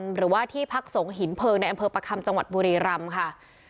หรือว่าที่พักสงหินเพลิงในอำเภอประคัมจังหวัดบุรีรำค่ะ